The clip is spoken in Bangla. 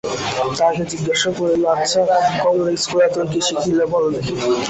তাহাকে জিজ্ঞাসা করিল, আচ্ছা, কমলা, ইস্কুলে এতদিন কী শিখিলে বলো দেখি।